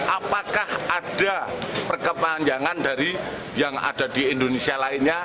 apakah ada perkepanjangan dari yang ada di indonesia lainnya